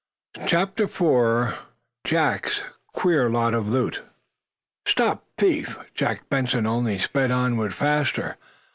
CHAPTER IV JACK'S QUEER LOT OF LOOT "Stop, thief!" Jack Benson only sped onward the faster.